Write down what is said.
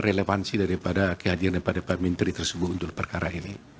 relevansi daripada kehadiran daripada pak menteri tersebut untuk perkara ini